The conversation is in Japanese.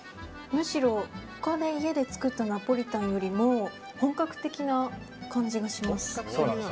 むしろ家で作ったナポリタンよりも本格的な感じがします。